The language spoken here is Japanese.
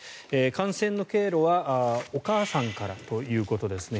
感染の経路はお母さんからということですね。